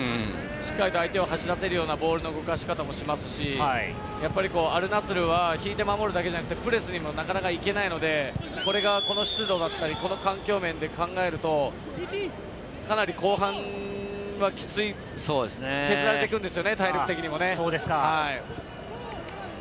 しっかりと相手を走らせるようなボールの動かし方もしますし、やっぱりアルナスルは引いて守るだけじゃなくてプレスにもなかなか行けないので、これがこの湿度だったりこの環境面で考えると、かなり後半はきつい、削られていくんですよね、体力的にもね。